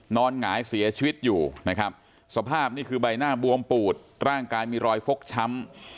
หงายเสียชีวิตอยู่นะครับสภาพนี่คือใบหน้าบวมปูดร่างกายมีรอยฟกช้ำ